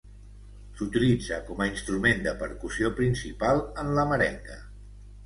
S'utilitza com a instrument de percussió principal en la merenga.